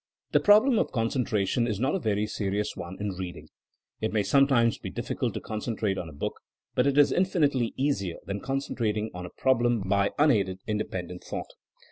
The problem of concentra tion is not a very serious one in reading. It may sometimes be difficult to concentrate on a book. But it is infinitely easier than concen trating on a problem by unaided independent thought.